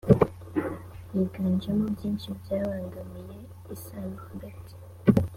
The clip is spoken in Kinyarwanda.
yiganjemo byinshi byabangamiye isano hagati